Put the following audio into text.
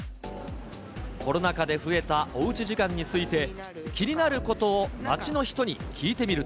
コロナ禍で増えたおうち時間について、気になることを街の人に聞いてみると。